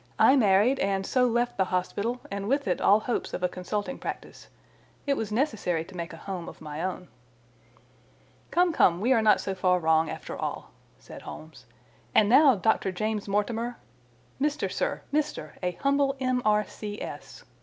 I married, and so left the hospital, and with it all hopes of a consulting practice. It was necessary to make a home of my own." "Come, come, we are not so far wrong, after all," said Holmes. "And now, Dr. James Mortimer—" "Mister, sir, Mister—a humble M.R.C.S."